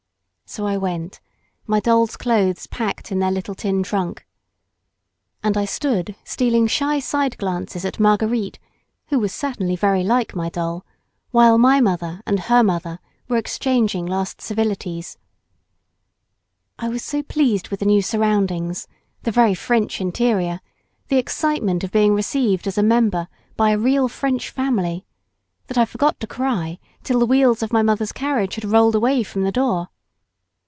So I went, my doll's clothes packed in their little tin trunk. And I stood stealing shy side glances at Marguerite, who was certainly very like my doll, while my mother and her mother were exchanging last civilities. I was so pleased with the new surroundings, the very French interior, the excitement of being received as a member by a real French family, that I forgot to cry till the wheels of my mother's carriage had rolled away from the door.